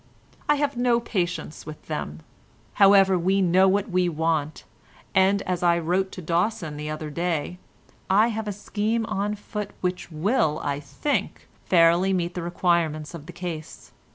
I have no patience with them. However, we know what we want, and, as I wrote to Dawson the other day, have a scheme on foot which will, I think, fairly meet the requirements of the case.